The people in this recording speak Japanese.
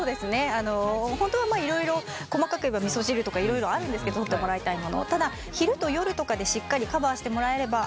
あのほんとはまあいろいろ細かく言えば味噌汁とかいろいろあるんですけどとってもらいたいもの。